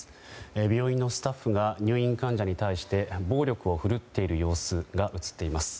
病院のスタッフが入院患者に対して暴力を振るっている様子が映っています。